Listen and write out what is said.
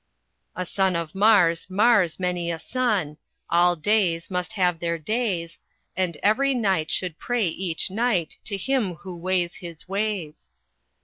"A son of Mars mars many a son, All Deys must have their days; And every knight should pray each night To him who weighs his ways.